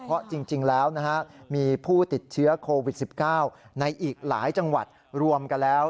เพราะจริงแล้วมีผู้ติดเชื้อโควิด๑๙ในอีกหลายจังหวัดรวมกันแล้ว